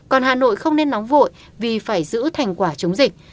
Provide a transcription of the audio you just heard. còn hà nội không nên nóng vội vì phải giữ thành quả chống dịch